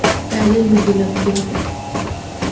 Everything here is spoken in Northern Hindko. پیدل بھی جُل ہکدے او۔